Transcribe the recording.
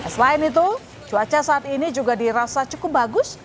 selain itu cuaca saat ini juga dirasa cukup bagus